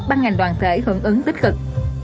băng ngành đoàn thể hưởng ứng tích cực